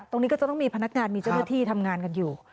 ตรงนี้ก็จะต้องมีพนักงานมีเจ้าหน้าที่ทำงานกันอยู่